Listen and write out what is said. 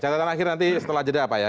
catatan akhir nanti setelah jeda apa ya